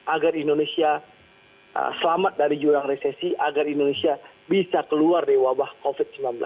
agar indonesia selamat dari jurang resesi agar indonesia bisa keluar dari wabah covid sembilan belas